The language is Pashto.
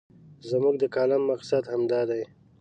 زموږ د کالم مقصد همدا دی.